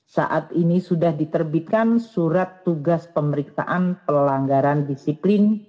saat ini sudah diterbitkan surat tugas pemeriksaan pelanggaran disiplin